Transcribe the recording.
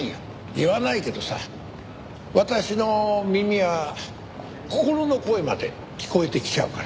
言わないけどさ私の耳は心の声まで聞こえてきちゃうから。